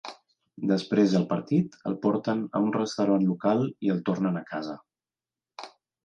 Després del partit, el porten a un restaurant local i el tornen a casa.